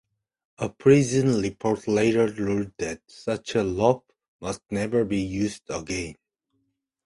A prison report later ruled that such a rope must never be used again.